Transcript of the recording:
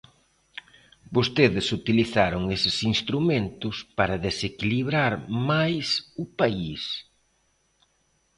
Vostedes utilizaron eses instrumentos para desequilibrar máis o país.